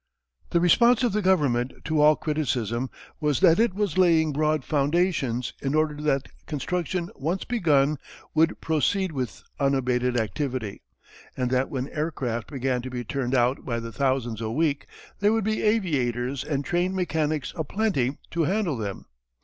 The response of the government to all criticism was that it was laying broad foundations in order that construction once begun would proceed with unabated activity, and that when aircraft began to be turned out by the thousands a week there would be aviators and trained mechanics a plenty to handle them.